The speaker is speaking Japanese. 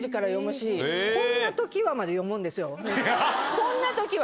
「こんな時は」。